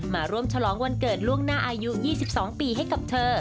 มาร่วมฉลองวันเกิดล่วงหน้าอายุ๒๒ปีให้กับเธอ